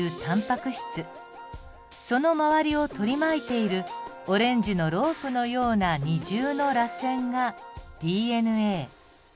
その周りを取り巻いているオレンジのロープのような二重のらせんがＤＮＡ。